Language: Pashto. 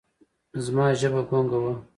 زما ژبه ګونګه وه ـ